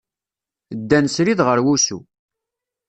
Ddan srid ɣer wusu.